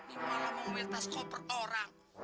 ini malah mau ngambil tas koper orang